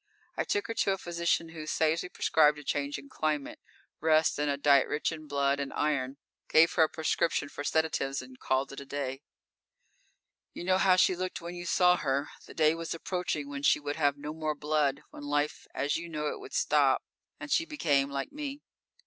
I took her to a physician who sagely prescribed a change in climate, rest and a diet rich in blood and iron, gave her a prescription for sedatives, and called it a day._ _You know how she looked when you saw her. The day was approaching when she would have no more blood, when life as you know it would stop and she would become like me.